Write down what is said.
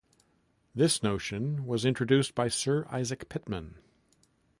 This notation was introduced by Sir Isaac Pitman.